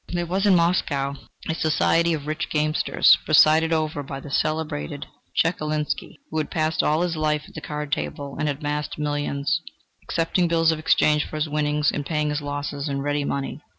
There was in Moscow a society of rich gamesters, presided over by the celebrated Chekalinsky, who had passed all his life at the card table and had amassed millions, accepting bills of exchange for his winnings and paying his losses in ready money.